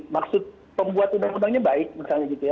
maksud pembuat undang undangnya baik misalnya gitu ya